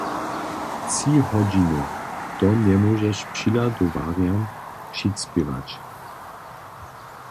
Tři hodźiny, to njemóžeš přihladowarjam přicpěwać.